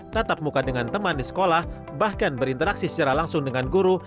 tatap muka dengan teman di sekolah bahkan berinteraksi secara langsung dengan guru